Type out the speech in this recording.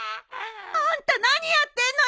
あんた何やってんのよ！